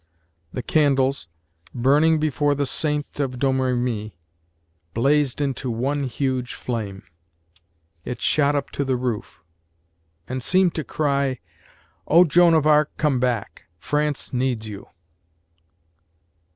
The candles, burning before the Saint of Domremy, blazed into one huge flame. It shot up to the roof. And seemed to cry O JOAN OF ARC come back France needs you.